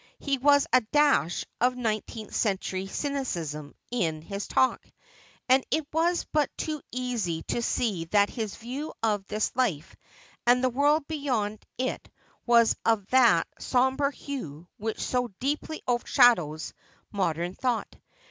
There was a dash of nine teenth century cynicism in his talk, and it was but too easy to see that his view of this life and the world beyond it was of that sombre hue which so deeply overshadows modern thought.